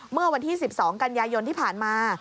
เมื่อวันที่๑๒กันยายนที่ผ่านมา